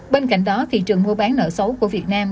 bên cạnh đó thị trường mua bán nợ xấu của việt nam